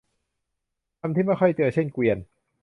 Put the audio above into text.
คำที่ไม่ค่อยเจอเช่นเกวียน